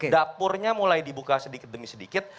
dapurnya mulai dibuka sedikit demi sedikit